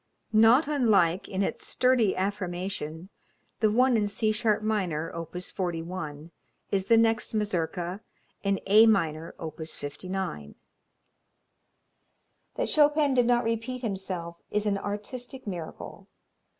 Not unlike, in its sturdy affirmation, the one in C sharp minor, op. 41, is the next Mazurka, in A minor, op. 59. That Chopin did not repeat himself is an artistic miracle.